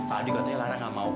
tadi katanya lara nggak mau